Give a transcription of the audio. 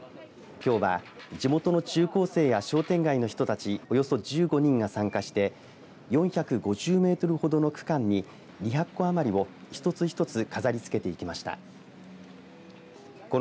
きょうは地元の中高生や商店街の人たちおよそ１５人が参加して４５０メートルほどの区間に２００個余りを一つ一つ飾り付けていきました。